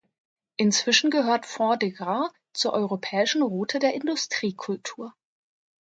Inzwischen gehört Fond-de-Gras zur "Europäischen Route der Industriekultur".